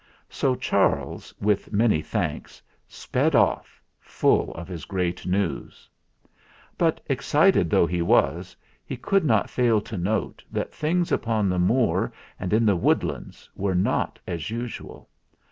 So Charles, with many thanks, sped off, full of his great news. But, excited though he was, he could not fail to note that things upon the Moor and in the woodlands were not as usual.